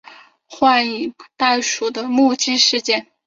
幻影袋鼠的目击事件。